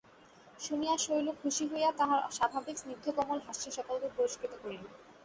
শুনিয়া শৈল খুশি হইয়া তাহার স্বাভাবিক স্নিগ্ধকোমল হাস্যে সকলকে পুরস্কৃত করিল।